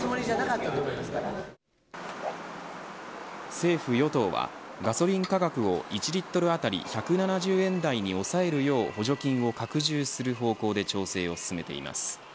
政府与党はガソリン価格を１リットル当たり１７０円台に抑えるよう補助金を拡充する方向で調整を進めています。